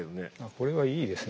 これはいいですね。